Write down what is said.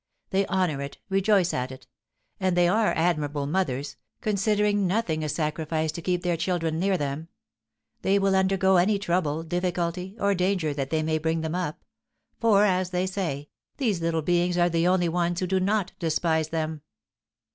They honour it, rejoice at it; and they are admirable mothers, considering nothing a sacrifice to keep their children near them. They will undergo any trouble, difficulty, or danger that they may bring them up; for, as they say, these little beings are the only ones who do not despise them."